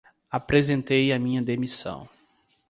Apresentei a minha demissão.